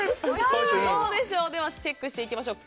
ではチェックしていきましょう。